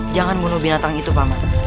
jangan bunuh binatang itu paman